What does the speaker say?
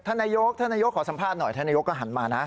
ถ้านายกขอสัมภาษณ์หน่อยถ้านายกหันมานะ